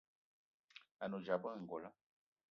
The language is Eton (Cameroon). A ne odzap ayi ongolo.